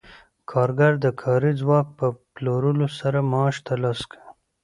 کارګر د کاري ځواک په پلورلو سره معاش ترلاسه کوي